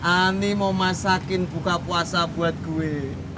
ani mau masakin buka puasa buat gue